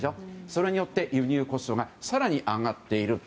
それによって輸入コストが更に上がっている。